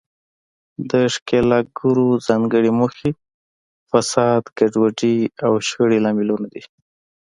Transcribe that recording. د ښکیلاکګرو ځانګړې موخې، فساد، ګډوډي او شخړې لاملونه دي.